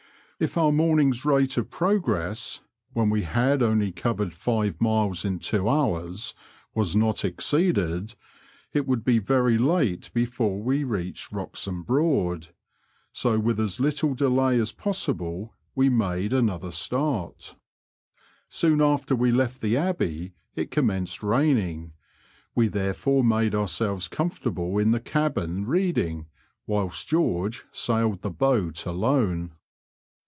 If our morning's rate of progress (when we had only covered five miles in two hours) was not exceeded, it would p Digitized by VjOOQIC 66 BBOADS AND BIVEBS OF NOBFOLE AND SUFFOLK. be very late before we reached Wroxham Broad, so with as little delay as possible we made another start. Soon after we left the Abbey it commenced raining ; we therefore made ourselves comfortable in the cabin reading, whilst George sailed the boat alone.